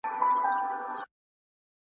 پر اولس د کرارۍ ساعت حرام وو .